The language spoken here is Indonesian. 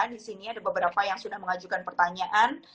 di sini ada beberapa yang sudah mengajukan pertanyaan